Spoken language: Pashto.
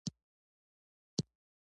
ګلاب د مینې ژبه ده.